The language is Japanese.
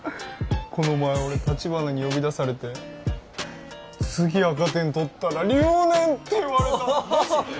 この前俺立花に呼び出されて次赤点取ったら留年って言われたマジ！？